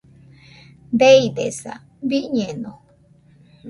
Deidesaa, biñeno